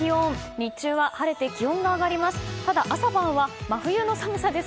日中は晴れて気温が上がります。